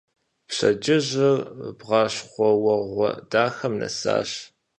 Пщэдджыжьыр бгъащхъуэуэгъуэ дахэм нэсащ.